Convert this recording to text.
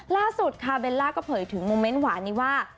ล่าสุดค่ะเบลล่าก็เผยถึงโมเมนต์หวานนี้ว่า